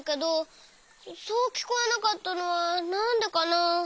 そうきこえなかったのはなんでかな？